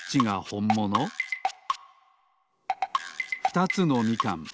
ふたつのみかん。